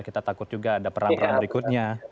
kita takut juga ada perang perang berikutnya